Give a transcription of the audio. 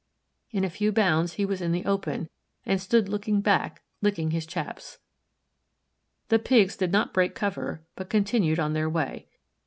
In a few bounds he was in the open, and stood looking back, licking his chaps. The Pigs did not break cover, but continued on their way.